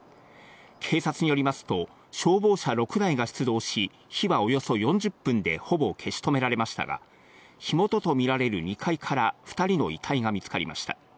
警察によりますと消防車６台が出動し、火はおよそ４０分でほぼ消し止められましたが、火元とみられる２階から２人の遺体が見つかりました。